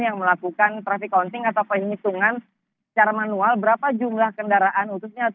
yang melakukan traffic counting atau penghitungan secara manual berapa jumlah kendaraan khususnya